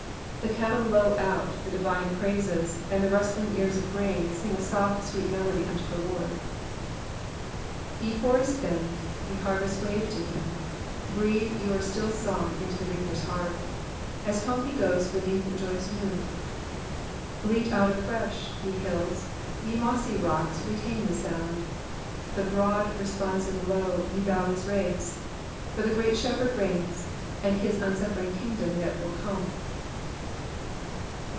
The cattle low out the divine praises, and the rustling ears of grain sing a soft sweet melody unto the Lord. " Te forests bend, ve harvests wave to him ; Br^the your still song into the reaper's hearty As home he goes beneath the joyous moon. Bleat out afresh, ye hills ; ye mossy rocks Retain the sound ; the broad responsive low Te valleys raise ; for the Great 8hkphbkd reigns, And his unsi^ering kingdom yet will como.